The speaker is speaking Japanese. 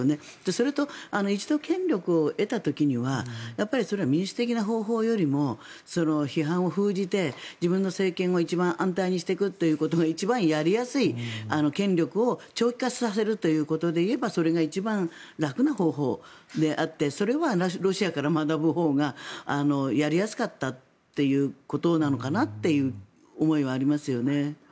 それと一度権力を得た時にはそれは民主的な方法よりも批判を封じて、自分の政権を一番安泰にしていくということが一番やりやすい権力を長期化させるということで言えばそれが一番楽な方法であってそれはロシアから学ぶほうがやりやすかったということなのかなという思いはありますよね。